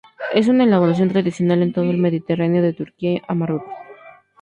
Es una elaboración tradicional en todo el mediterráneo, de Turquía a Marruecos.